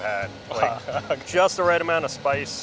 hanya jumlah pedas yang tepat